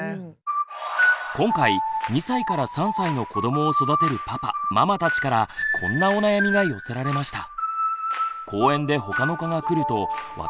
今回２歳３歳の子どもを育てるパパ・ママたちからこんなお悩みが寄せられました。